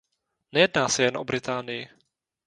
Nejedná se jen o Británii.